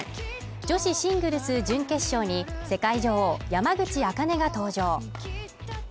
女子シングルス準決勝に世界女王・山口茜が登場。